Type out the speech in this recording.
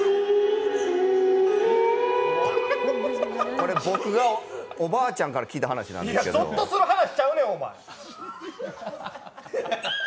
これ、僕がおばあちゃんから聞いた話なんですけどいや、ゾッとする話ちゃうねん、お前！